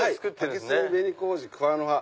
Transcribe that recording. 竹炭紅麹桑の葉